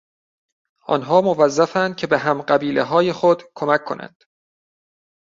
آنان موظفاند که به هم قبیلههای خود کمک کنند.